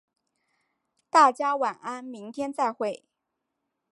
大家晚安，明天再会。